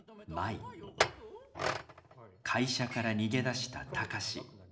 会社から逃げ出した貴司。